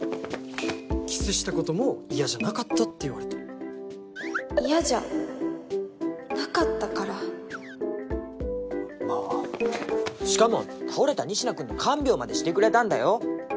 キスしたことも嫌じゃなかったって言われた嫌じゃなかったからまあしかも倒れた仁科君の看病までしてくれたんだよ